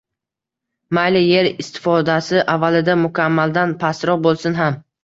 Mayli, yer istifodasi avvalida mukammaldan pastroq bo‘lsin ham